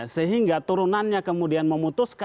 sehingga turunannya kemudian memutuskan